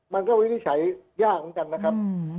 มันก็วิธีใช้ยากเหมือนกันนะครับ